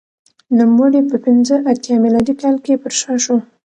نوموړی په پنځه اتیا میلادي کال کې پرشا شو